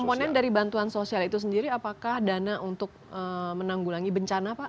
komponen dari bantuan sosial itu sendiri apakah dana untuk menanggulangi bencana pak